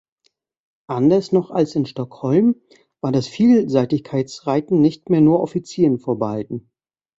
Anders noch als in Stockholm war das Vielseitigkeitsreiten nicht mehr nur Offizieren vorbehalten.